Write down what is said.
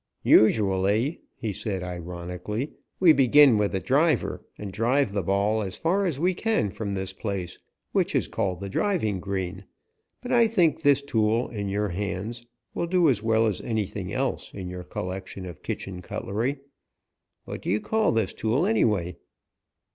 "Usually," he said ironically, "we begin with a driver, and drive the ball as far as we can from this place, which is called the driving green, but I think this tool, in your hands, will do as well as anything else in your collection of kitchen cutlery. What do you call this tool, anyway?"